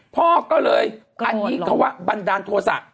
พ่อก็เลยอันนี้เขาว่าบันดาลโทษะ